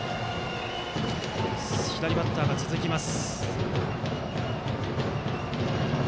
左バッターが続きます。